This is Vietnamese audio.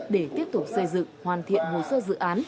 để tiếp tục xây dựng hoàn thiện một số dự án